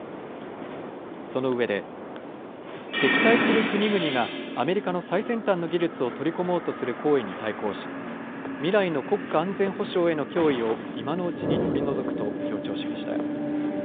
そのうえで敵対する国々がアメリカの最先端の技術を取り込もうとする行為に対抗し未来の国家安全保障への脅威を今のうちに取り除くと強調しました。